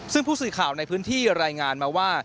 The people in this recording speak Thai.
ซึ่งผู้สื่อข่าวในพื้นที่รายงานมาว่า